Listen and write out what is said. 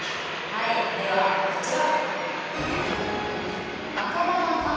はいではこちら。